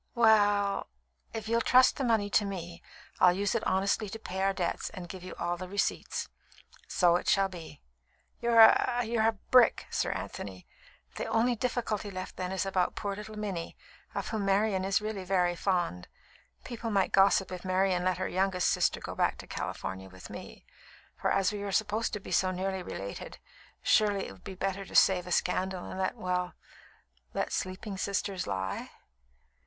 "We ll, if you'd trust the money to me, I'd use it honestly to pay our debts, and give you all the receipts." "So it shall be." "You're a a brick, Sir Anthony. The only difficulty left then is about poor little Minnie, of whom Marian is really very fond. People might gossip if Marian let her youngest sister go back to California with me; for as we are supposed to be so nearly related, surely it would be better to save a scandal and let well, let sleeping sisters lie?"